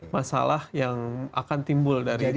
masalah yang akan timbul dari